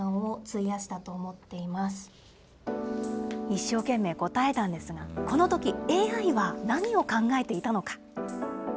一生懸命答えたんですが、このとき、ＡＩは何を考えていたのか。